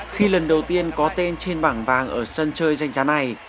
khi lần đầu tiên có tên trên bảng vàng ở sân chơi danh giá này